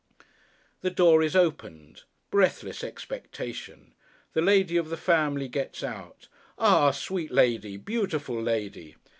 The door is opened. Breathless expectation. The lady of the family gets out. Ah sweet lady! Beautiful lady!